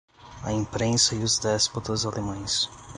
A Imprensa e os Déspotas Alemães